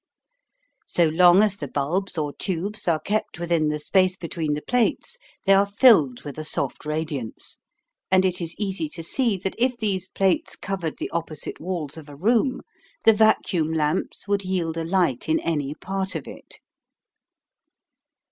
So long as the bulbs or tubes are kept within the space between the plates, they are filled with a soft radiance, and it is easy to see that if these plates covered the opposite walls of a room, the vacuum lamps would yield a light in any part of it.